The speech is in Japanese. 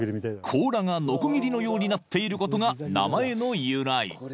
［甲羅がのこぎりのようになっていることが名前の由来］